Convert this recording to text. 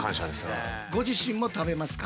ご自身も食べますか？